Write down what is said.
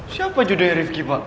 siapa jodohnya rifki pak